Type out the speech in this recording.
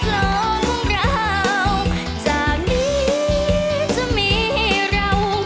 ลองราวจากนี้จะมีเรา